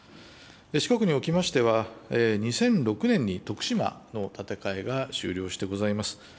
四国におきましては、２００６年に徳島の建て替えが終了してございます。